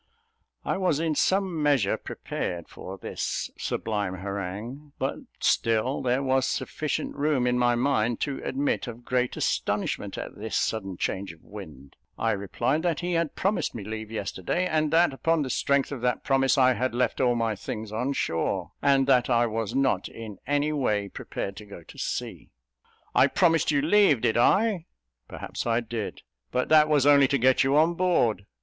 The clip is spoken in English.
I was in some measure prepared for this sublime harangue; but still there was sufficient room in my mind to admit of great astonishment at this sudden change of wind. I replied that he had promised me leave yesterday, and that, upon the strength of that promise, I had left all my things on shore, and that I was not in any way prepared to go to sea. "I promised you leave, did I? Perhaps I did; but that was only to get you on board.